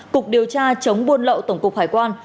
cục điều tra chống buôn lậu tổng cục hải quan